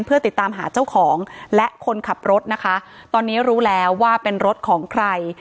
เพื่อติดตามหาเจ้าของและคนขับรถนะคะตอนนี้รู้แล้วว่าเป็นรถของใคร